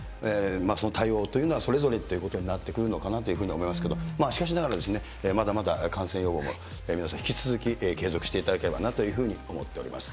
その対応というのはそれぞれということになってくるのかなというふうに思いますけど、しかしながら、まだまだ感染予防も皆さん、引き続き継続していただければなというふうに思っております。